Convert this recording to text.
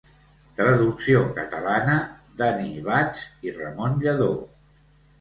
Traducció catalana d'Annie Bats i Ramon Lladó.